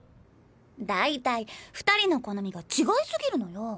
大体２人の好みが違い過ぎるのよ。